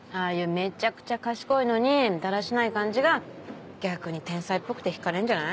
めちゃくちゃ賢いのにだらしない感じが逆に天才っぽくて引かれんじゃない？